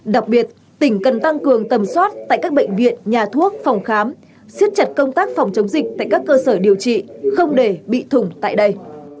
đặc biệt tỉnh cần tăng cường tầm soát tại các bệnh viện nhà thuốc phòng khám siết chặt công tác phòng chống dịch tại các cơ sở điều trị không để bị thùng tại đây